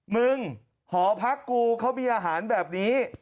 มึงหอพลักษณ์กูเขามีอาหารแบบนี้